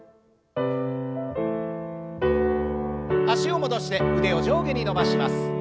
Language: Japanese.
脚を戻して腕を上下に伸ばします。